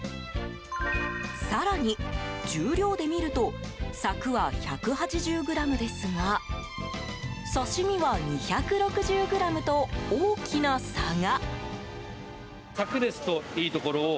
更に、重量で見ると柵は１８０ｇですが刺し身はおよそ２６０ｇと大きな差が。